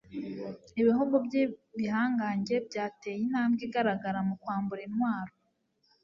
ibihugu by'ibihangange byateye intambwe igaragara mu kwambura intwaro